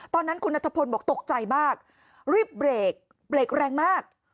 ตอนนั้นคุณนัทพลบอกตกใจมากรีบเบรกเบรกแรงมาก